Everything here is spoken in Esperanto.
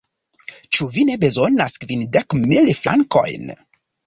Ĉu vi ne bezonas kvindek mil frankojn?